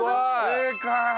正解！